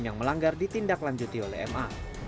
yang melanggar ditindaklanjuti oleh ma